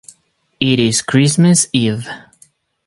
It is Christmas Eve.